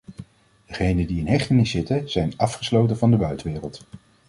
Degenen die in hechtenis zitten, zijn afgesloten van de buitenwereld.